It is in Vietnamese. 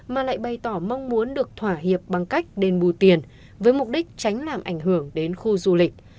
mà lại bày tỏ mong muốn được thỏa hiệp bằng cách đền bù tiền với mục đích tránh làm ảnh hưởng đến khu du lịch